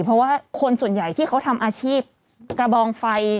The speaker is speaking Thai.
เพราะว่าคนส่วนใหญ่ที่เขาทำอาชีพกระบองไฟ